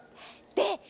で